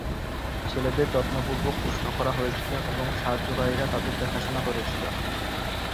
ছেলেদের যত্নপূর্বক উষ্ণ করা হয়েছিল এবং সাহায্যকারীরা তাদের দেখাশোনা করেছিল।